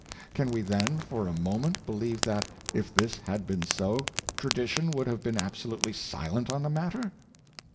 Can we then for a moment believe that, if this had been so, tradition would have been absolutely silent on the matter?